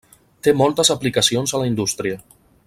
Té moltes aplicacions a la indústria.